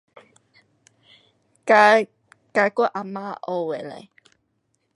跟，跟我啊嫲学的嘞。